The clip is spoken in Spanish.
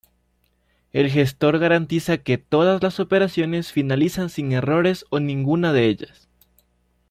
El gestor garantiza que todas las operaciones finalizan sin errores o ninguna de ellas.